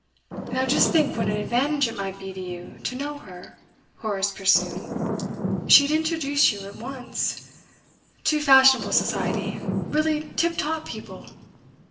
'Now just think what an advantage it might be to you, to know her,' Horace pursued. 'She'd introduce you at once to fashionable society, really tip top people.